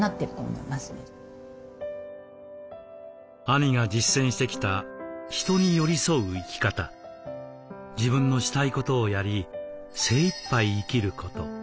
兄が実践してきた「人に寄り添う生き方」「自分のしたいことをやり精いっぱい生きること」